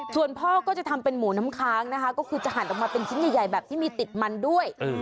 ส่วนพ่อก็จะทำเป็นหมูน้ำค้างนะคะก็คือจะหั่นออกมาเป็นชิ้นใหญ่แบบที่มีติดมันด้วย